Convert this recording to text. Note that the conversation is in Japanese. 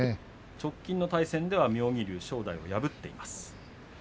直近の対戦では妙義龍が正代を破っています。